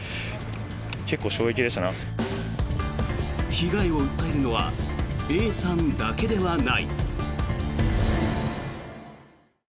被害を訴えるのはＡさんだけではない。